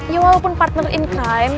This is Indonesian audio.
ya walaupun partner in crime